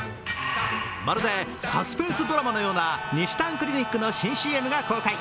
まるでサスペンスドラマのようなにしたんクリニックの新ＣＭが公開。